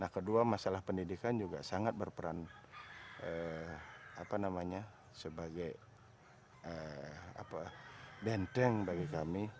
nah kedua masalah pendidikan juga sangat berperan apa namanya sebagai benteng bagi kami